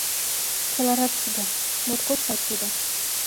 — Чылажат чудо, моткоч сай чудо